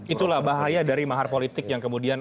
itulah bahaya dari mahar politik yang kemudian